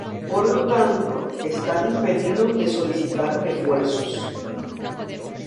Por lo tanto, están impedidos de solicitar refuerzos.